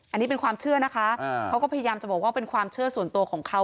อันนี้เป็นความเชื่อนะคะเขาก็พยายามจะบอกว่าเป็นความเชื่อส่วนตัวของเขา